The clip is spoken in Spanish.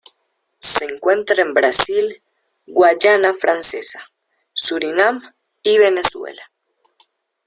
Se encuentra en Brasil, Guayana Francesa, Surinam y Venezuela.